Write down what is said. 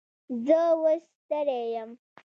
زه اوس ستړی یم